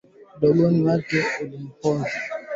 Damu yenye povupovu hutoka kinywani kwa mnyama aliyekufa